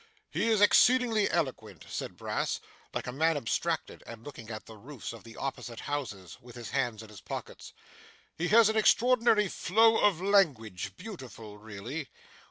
'He is exceedingly eloquent,' said Brass, like a man abstracted, and looking at the roofs of the opposite houses, with his hands in his pockets; 'he has an extraordinary flow of language. Beautiful, really.